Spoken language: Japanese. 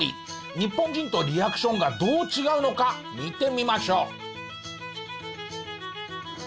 日本人とリアクションがどう違うのか見てみましょう。